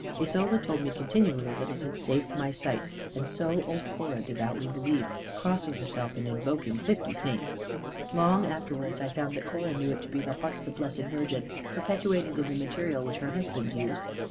Isola told me continually that it had saved my sight; and so old Cora devoutly believed, crossing herself, and invoking fifty saints. Long afterwards I found that Cora knew it to be the heart of the Blessed Virgin, perpetuated in the material which her husband used.